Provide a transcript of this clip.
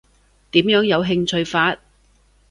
點樣有興趣法？